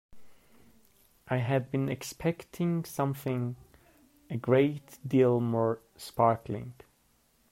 I had been expecting something a great deal more sparkling.